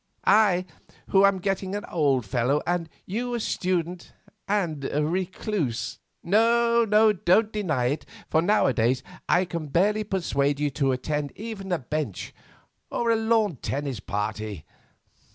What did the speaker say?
I, who am getting an old fellow, and you a student and a recluse—no, don't deny it, for nowadays I can barely persuade you to attend even the Bench or a lawn tennis party.